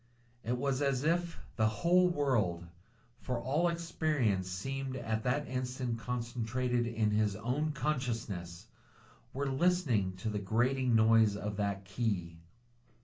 It was as if the whole world for all experience seemed at that instant concentrated in his own consciousness were listening to the grating noise of that key.